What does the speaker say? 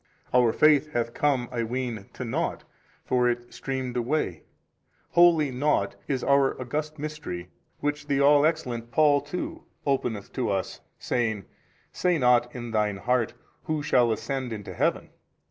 Our faith hath come I ween to nought, for it streamed away; wholly nought is pur august mystery, which the all excellent Paul too openeth to us saying, Say not in thine heart, who shall ascend into heaven?